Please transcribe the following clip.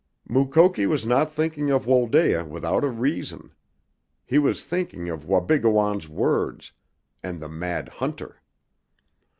Mukoki was not thinking of Wholdaia without a reason. He was thinking of Wabigoon's words and the mad hunter.